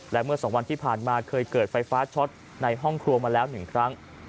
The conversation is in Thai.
และเมื่อ๒วันที่ผ่านมาเคยเกิดไฟฟ้าช็อตในห้องครัวมาแล้ว๑ครั้ง